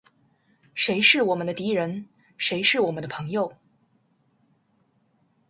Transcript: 谁是我们的敌人？谁是我们的朋友？